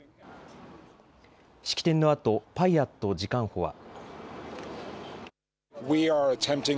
式典のあとパイアット次官補は。